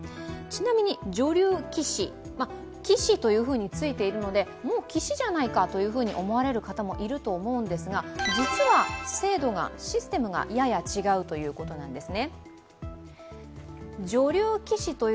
ちなみに女流棋士、棋士とついているので、もう棋士じゃないかというふうに思われる方もいると思うんですが実は制度、システムがやや違うということなんです。